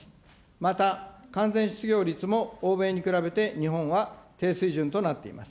また、完全失業率も欧米に比べて日本は低水準となっています。